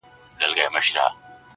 یوه ورخ مي زړه په شکر ګویا نه سو٫